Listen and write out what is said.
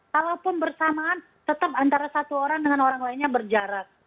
kalaupun bersamaan tetap antara satu orang dengan orang lainnya berjarak